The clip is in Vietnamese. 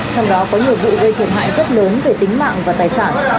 trong đó có nhiều vụ gây thiệt hại rất lớn về tính mạng và tài sản